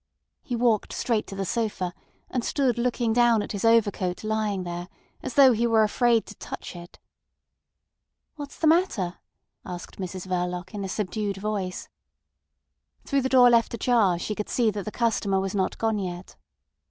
He walked straight to the sofa, and stood looking down at his overcoat lying there, as though he were afraid to touch it. "What's the matter?" asked Mrs Verloc in a subdued voice. Through the door left ajar she could see that the customer was not gone yet.